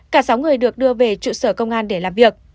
cả sáu người được đưa về trụ sở công an để làm việc